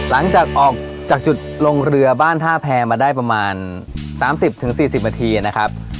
ลงเรือบ้านท่าแพรมาได้ประมาณ๓๐๔๐มนะครับ